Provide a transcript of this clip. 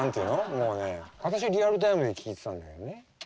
もうね私はリアルタイムで聴いてたんだけどね。